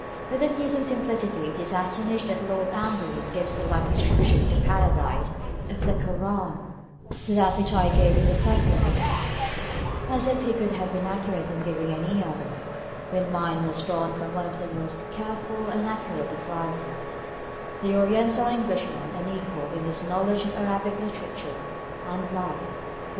With amusing simplicity he is astonished that Lord Amberley gives a like description of the paradise of the Kur ân to that which I gave in the Secularist, as if he could have been accurate in giving any other, when mine was drawn from one of the most careful and accurate of writers, the Oriental Englishman, unequalled in his knowledge of Arabic literature and life!